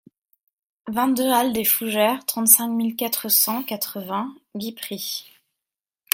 vingt-deux aLL DES FOUGERES, trente-cinq mille quatre cent quatre-vingts Guipry